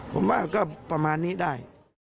ผมว่าก็ประมาณนี้ได้